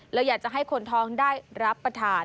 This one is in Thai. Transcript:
เราอยากจะให้คนท้องได้รับประทาน